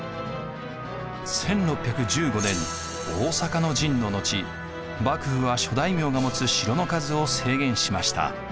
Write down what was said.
１６１５年大坂の陣の後幕府は諸大名が持つ城の数を制限しました。